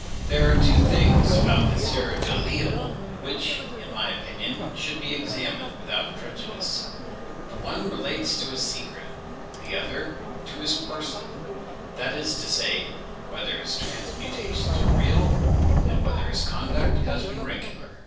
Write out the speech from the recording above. "There are two things about the Sieur Delisle which, in my opinion, should be examined without prejudice: the one relates to his secret; the other, to his person; that is to say, whether his transmutations are real, and whether his conduct has been regular.